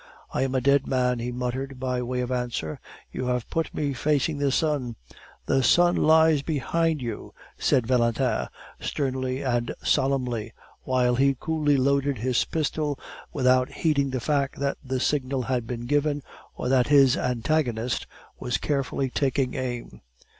"I am a dead man," he muttered, by way of answer; "you have put me facing the sun " "The sun lies behind you," said Valentin sternly and solemnly, while he coolly loaded his pistol without heeding the fact that the signal had been given, or that his antagonist was carefully taking aim.